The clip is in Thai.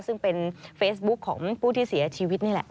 ซึ่งเป็นเฟซบุ๊คของผู้ที่เสียชีวิตนี่แหละ